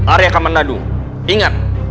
arya kamandanu ingat